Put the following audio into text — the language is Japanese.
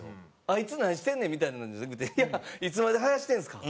あいつ何してんねんみたいなんじゃなくていやいつまで生やしてんすか？